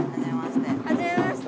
はじめまして。